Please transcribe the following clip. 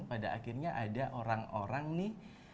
pada akhirnya ada orang orang nih